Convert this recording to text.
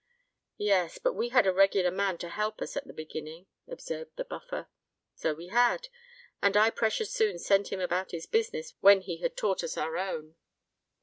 "Yes—but we had a regular man to help us at the beginning," observed the Buffer. "So we had. And I precious soon sent him about his business when he had taught us our own."